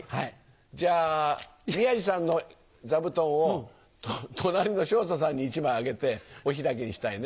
じゃあ宮治さんの座布団を隣の昇太さんに１枚あげてお開きにしたいね。